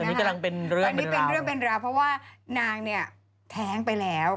อันนี้กำลังเป็นเรื่องอันนี้เป็นเรื่องเป็นราวเพราะว่านางเนี่ยแท้งไปแล้ว